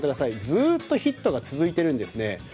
ずっとヒットが続いているんですね。